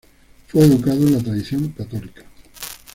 Fue educado en la tradición católica.